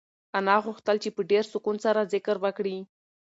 انا غوښتل چې په ډېر سکون سره ذکر وکړي.